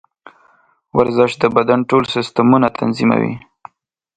ورزش د بدن ټول سیسټمونه تنظیموي.